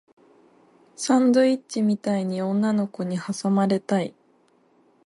サンドイッチみたいに女の子に挟まれたい